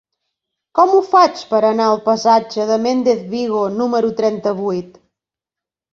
Com ho faig per anar al passatge de Méndez Vigo número trenta-vuit?